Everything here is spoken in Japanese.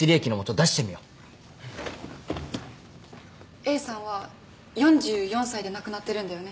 Ａさんは４４歳で亡くなってるんだよね。